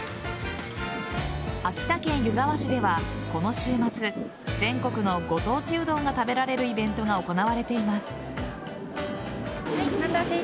秋田県湯沢市ではこの週末全国のご当地うどんが食べられるイベントが行われています。